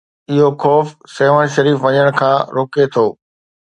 اهو خوف سيوهڻ شريف وڃڻ کان روڪي ٿو.